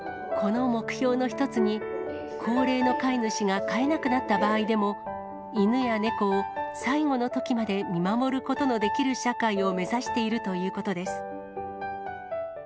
この目標の一つに、高齢の飼い主が飼えなくなった場合でも、犬や猫を、最期のときまで見守ることのできる社会を目指しているということです。